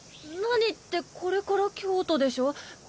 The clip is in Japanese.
何ってこれから京都でしょ？